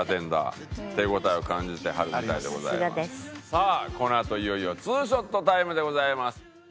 さあこのあといよいよ２ショットタイムでございます。